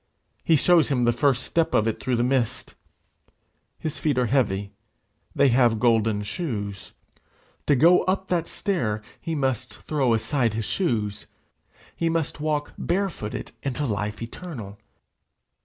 He shows him the first step of it through the mist. His feet are heavy; they have golden shoes. To go up that stair he must throw aside his shoes. He must walk bare footed into life eternal.